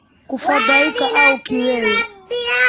Kufadhaika au kiwewe